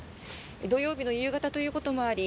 土曜日の夕方ということもあり